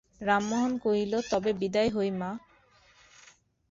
রামমোহন কহিল, তবে বিদায় হই মা।